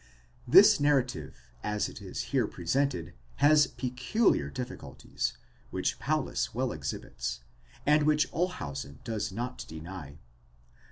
This narrative as it is here presented has peculiar diffi culties, which Paulus well exhibits, and which Olshausen does not deny.